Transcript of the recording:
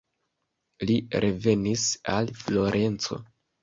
Li revenis al Florenco.